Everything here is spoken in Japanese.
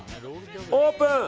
オープン！